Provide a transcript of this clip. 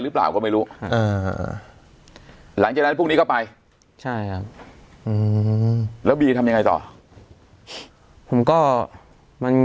รึเปล่าก็ไม่รู้หลังจากนี้ก็ไปใช่แล้วว้ายังไงต่อก็มัน